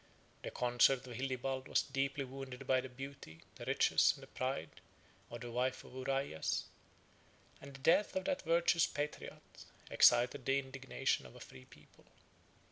The consort of Hildibald was deeply wounded by the beauty, the riches, and the pride, of the wife of Uraias; and the death of that virtuous patriot excited the indignation of a free people.